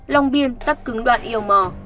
long biên tắc cứng đoạn yêu mò